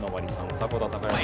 迫田孝也さん。